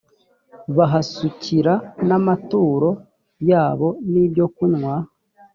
bahasukira n amaturo yabo ni ibyokunywa